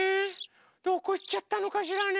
どこいっちゃったのかしらね？